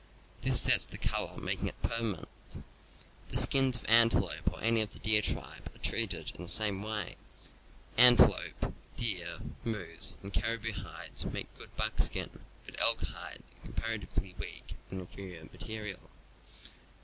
This sets the color, making it permanent. The skins of antelope or any of the deer tribe are treated in the same way. Antelope, deer, moose and caribou hides make good buckskin, but elk hides are comparatively weak and inferior material.